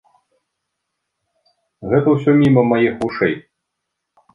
Гэта ўсё міма маіх вушэй.